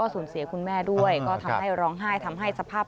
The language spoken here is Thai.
สูญเสียคุณแม่ด้วยก็ทำให้ร้องไห้ทำให้สภาพ